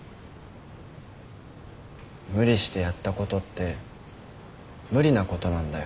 無理してやったことって無理なことなんだよ。